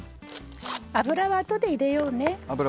油は、あとで入れようね。